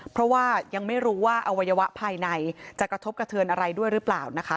เพราะว่ายังไม่รู้ว่าอวัยวะภายในจะกระทบกระเทือนอะไรด้วยหรือเปล่านะคะ